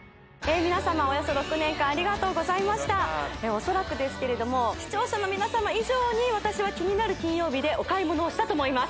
おそらくですけれども視聴者の皆様以上に私は「キニナル金曜日」でお買い物をしたと思います